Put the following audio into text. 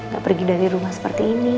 gak pergi dari rumah seperti ini